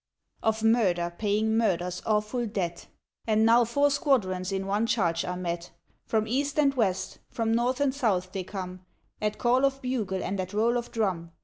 Of murder paying murder's awful debt. And now four squadrons in one charge are met. From east and west, from north and south they come, At call of bugle and at roll of drum.